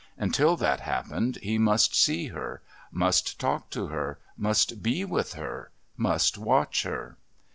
Until that happened he must see her, must talk to her, must be with her, must watch her.